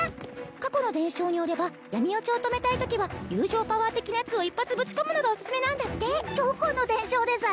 過去の伝承によれば闇堕ちを止めたいときは友情パワー的なやつを一発ぶち込むのがオススメなんだってどこの伝承です？